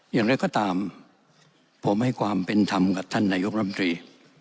อย่างไรก็ตามผมให้ความเป็นธรรมกับท่านนายกรัมตรี